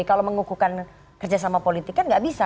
kalau mengukuhkan kerjasama politik kan nggak bisa